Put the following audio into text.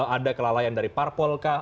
ada kelalaian dari parpol kah